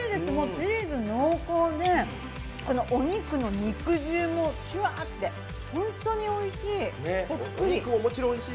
チーズ濃厚で、お肉の肉汁もジュワーって本当においしい。